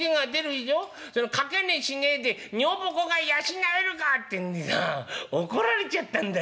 掛値しねえで女房子が養えるかって怒られちゃったんだよ。